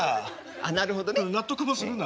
あなるほどね。納得もするな。